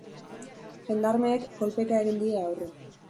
Jendarmeek kolpeka egin die aurre.